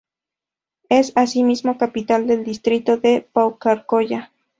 Es asimismo capital del distrito de Paucarcolla.